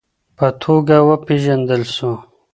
په توګه وپېژندل سو